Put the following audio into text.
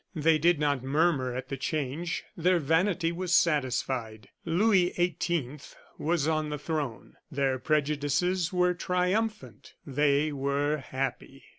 They did not murmur at the change; their vanity was satisfied. Louis XVIII. was on the throne; their prejudices were triumphant; they were happy.